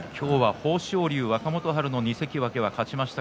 豊昇龍、若元春２関脇が勝ちました。